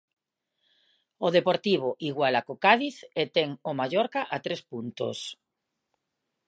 O Deportivo iguala co Cádiz e ten o Mallorca a tres puntos.